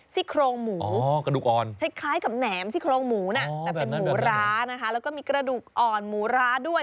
ซี่โครงหมูกระดูกอ่อนคล้ายกับแหนมซี่โครงหมูนะแต่เป็นหมูร้านะคะแล้วก็มีกระดูกอ่อนหมูร้าด้วย